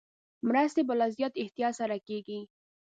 مرستې په لا زیات احتیاط سره کېږي.